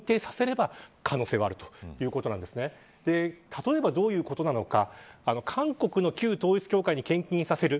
例えばどういうことなのか。